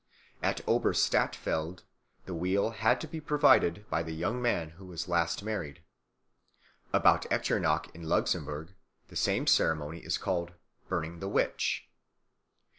At Oberstattfeld the wheel had to be provided by the young man who was last married. About Echternach in Luxemburg the same ceremony is called "burning the witch."